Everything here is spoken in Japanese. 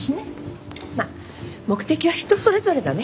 まあ目的は人それぞれだね。